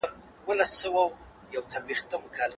د صنايعو ساتنه څنګه کيده؟